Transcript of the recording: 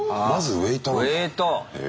ウエイト！